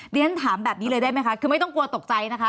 เรียนถามแบบนี้เลยได้ไหมคะคือไม่ต้องกลัวตกใจนะคะ